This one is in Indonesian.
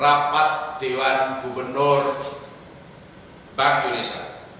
rapat dewan gubernur bank indonesia